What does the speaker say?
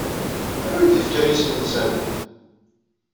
Anwa i d-yefkan isem n Sami?